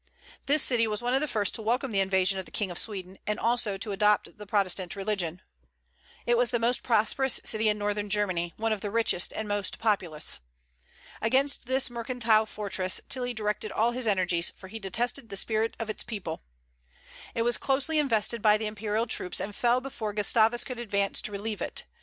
This city was one of the first to welcome the invasion of the King of Sweden, and also to adopt the Protestant religion. It was the most prosperous city in northern Germany; one of the richest and most populous. Against this mercantile fortress Tilly directed all his energies, for he detested the spirit of its people. It was closely invested by the imperial troops, and fell before Gustavus could advance to relieve it.